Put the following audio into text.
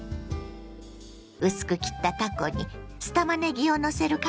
薄く切ったたこに酢たまねぎをのせるカルパッチョ。